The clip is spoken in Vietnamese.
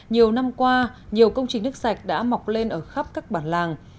nhiều năm qua nhiều công trình nước sạch đã mọc lên ở khắp các bản làng